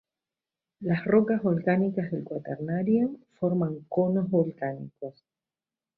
Las rocas volcánicas del Cuaternario forman conos volcánicos.